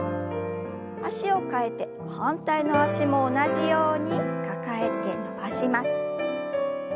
脚を替えて反対の脚も同じように抱えて伸ばします。